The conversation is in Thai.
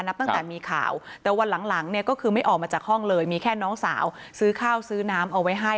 ตั้งแต่มีข่าวแต่วันหลังเนี่ยก็คือไม่ออกมาจากห้องเลยมีแค่น้องสาวซื้อข้าวซื้อน้ำเอาไว้ให้